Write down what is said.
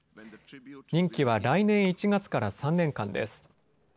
任期は来年１月から３年間です。